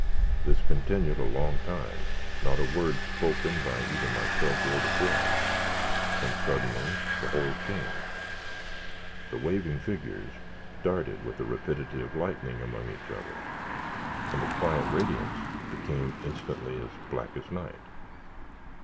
This continued a long time, not a word spoken either by myself or the forms, when suddenly the whole changed. The waving figures darted with the rapidity of lightning among each other, and the quiet radiance became instantly as black as night.